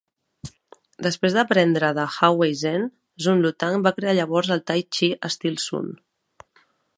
Després d'aprendre de Hao Wei-zhen, Sun Lutang va crear llavors el Tai Chi estil Sun.